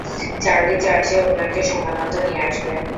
Charlie, চার্চে উনাকে সময়মত নিয়ে আসবে।